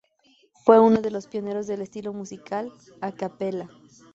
Fue uno de los pioneros del estilo musical"a cappella.